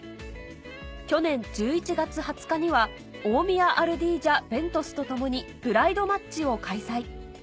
去年１１月２０日には大宮アルディージャＶＥＮＴＵＳと共にプライドマッチを開催